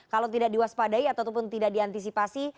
kalau tidak diwaspadai ataupun tidak diantisipasi